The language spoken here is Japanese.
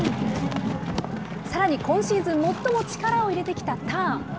さらに、今シーズン最も力を入れてきたターン。